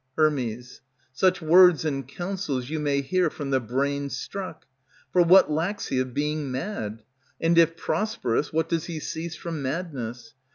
Her. Such words and counsels you may hear From the brain struck. For what lacks he of being mad? And if prosperous, what does he cease from madness?